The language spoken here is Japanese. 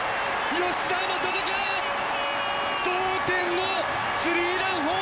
吉田正尚同点のスリーランホームラン！